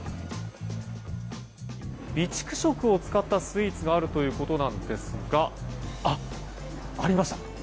備蓄食を使ったスイーツがあるということですがありました。